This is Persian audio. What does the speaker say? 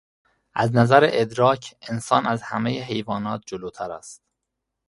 از نظر ادراک، انسان از همهی حیوانات جلوتر است.